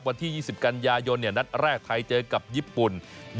วันที่๒๐กันยายนนัดแรกไทยเจอกับญี่ปุ่น